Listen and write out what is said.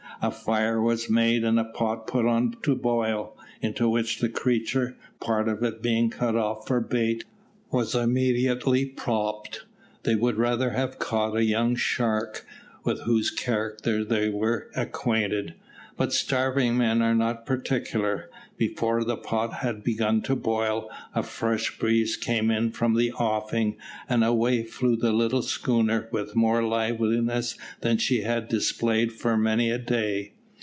A fire was made and a pot put on to boil, into which the creature, part of it being cut off for bait, was immediately popped. They would rather have caught a young shark, with whose character they were acquainted; but starving men are not particular. Before the pot had begun to boil, a fresh breeze came in from the offing, and away flew the little schooner with more liveliness than she had displayed for many a day.